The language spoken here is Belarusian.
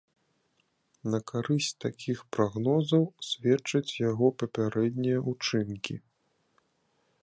На карысць такіх прагнозаў сведчаць яго папярэднія учынкі.